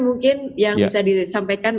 mungkin yang bisa disampaikan